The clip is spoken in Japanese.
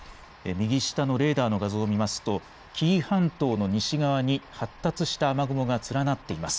右下のレーダーの画像を見ますと紀伊半島の西側に発達した雨雲が連なっています。